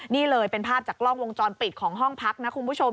นี่เลยเป็นภาพจากกล้องวงจรปิดของห้องพักนะคุณผู้ชม